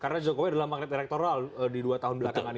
karena jokowi adalah magnet elektoral di dua tahun belakangan ini